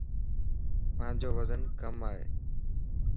مانجو وزن ڪم ائي.